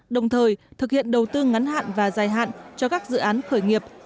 đồng thời thực hiện đầu tư ngắn hạn và dài hạn cho các dự án khởi nghiệp